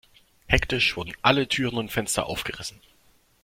Hektisch wurden alle Türen und Fenster aufgerissen.